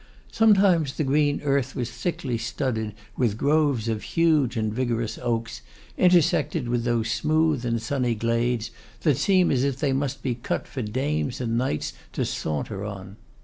Sometimes the green earth was thickly studded with groves of huge and vigorous oaks, intersected with those smooth and sunny glades, that seem as if they must be cut for dames and knights to saunter on.